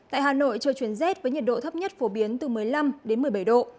tại hà nội trời chuyển rét với nhiệt độ thấp nhất phổ biến từ một mươi năm đến một mươi bảy độ